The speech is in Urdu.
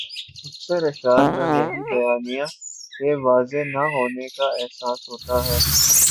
اکثر اشعار میں وہی بیانیہ کے واضح نہ ہونے کا احساس ہوتا ہے۔